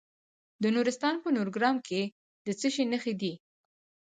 د نورستان په نورګرام کې د څه شي نښې دي؟